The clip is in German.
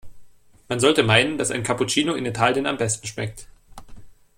Man sollte meinen, dass ein Cappuccino in Italien am besten schmeckt.